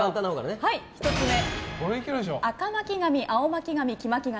１つ目、赤巻紙、青巻紙、黄巻紙。